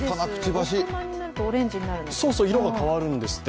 大人になるとオレンジになるんですって？